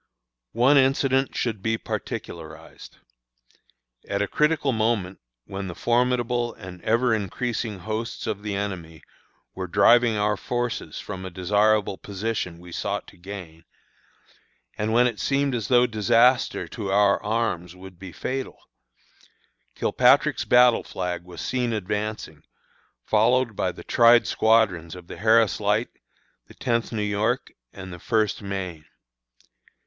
One incident should be particularized. At a critical moment, when the formidable and ever increasing hosts of the enemy were driving our forces from a desirable position we sought to gain, and when it seemed as though disaster to our arms would be fatal, Kilpatrick's battle flag was seen advancing, followed by the tried squadrons of the Harris Light, the Tenth New York, and the First Maine.